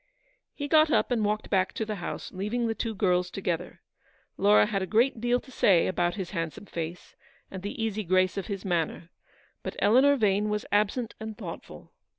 He got up and walked back to the house, leaving the two girls together. Laura had a great deal to say about his handsome face, and the easy grace of his manner; but Eleanor Vane was absent and thoughtful.